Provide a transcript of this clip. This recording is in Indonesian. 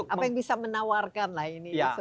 apa yang bisa menawarkanlah ini